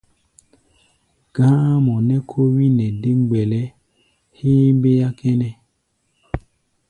Gá̧á̧mɔ nɛ́ kó wí nɛ dé mgbɛlɛ héémbéá kʼɛ́nɛ́.